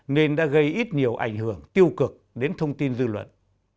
nên đã gây ít nhiều ảnh hưởng tiêu cực đến thông tin dư luận